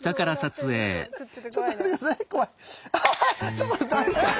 ちょっと待ってあれですか。